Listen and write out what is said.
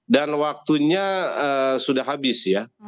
dan waktunya sudah habis ya